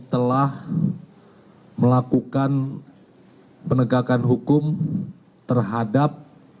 telah melakukan penegakan hukum terhadap dua puluh enam